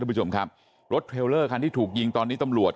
ผู้ชมครับรถเทรลเลอร์คันที่ถูกยิงตอนนี้ตำรวจ